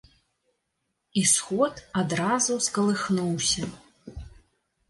І сход адразу скалыхнуўся.